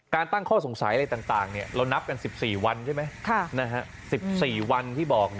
ตั้งข้อสงสัยอะไรต่างเรานับกัน๑๔วันใช่ไหม๑๔วันที่บอก